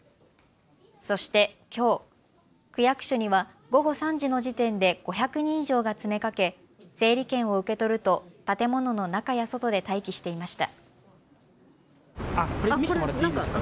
そして、きょう、区役所には午後３時の時点で５００人以上が詰めかけ整理券を受け取ると建物の中や外で待機していました。